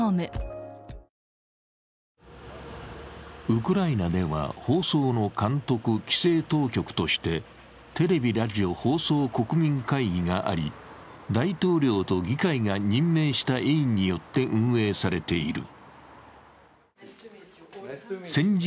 ウクライナでは放送の監督・規制当局として、テレビ・ラジオ放送国民会議があり大統領と議会が任命した委員によって運営されている。